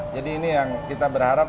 jadi ini yang kita berharap